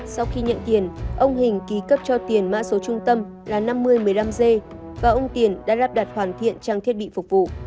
sau khi nhận tiền ông hình ký cấp cho tiền mã số trung tâm là năm mươi một mươi năm g và ông tiền đã lắp đặt hoàn thiện trang thiết bị phục vụ